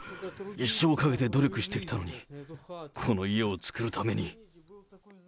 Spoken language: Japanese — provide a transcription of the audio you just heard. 一生かけて努力してきたのに、この家を造るために。